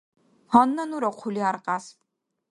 Гьанна нура хъули аркьяс.